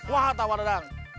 wah atau waradang